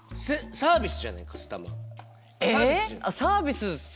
サービス。